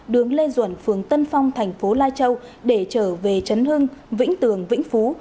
đường lê duẩn phường tân phong thành phố lai châu để trở về trấn hưng vĩnh tường vĩnh phú